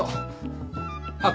あっ